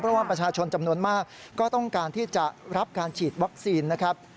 เพราะว่าประชาชนจำนวนมากก็ต้องการที่จะรับการฉีดวัคซีนนะครับ